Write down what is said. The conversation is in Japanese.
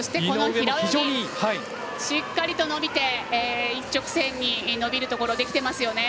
しっかりと伸びて一直線に伸びるところできてますよね。